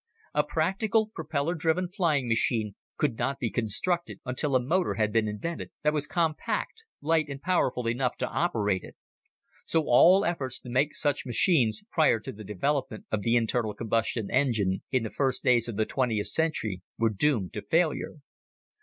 A practical, propeller driven flying machine could not be constructed until a motor had been invented that was compact, light and powerful enough to operate it. So all efforts to make such machines prior to the development of the internal combustion engine in the first days of the twentieth century were doomed to failure.